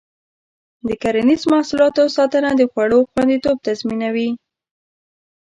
د کرنیزو محصولاتو ساتنه د خوړو خوندیتوب تضمینوي.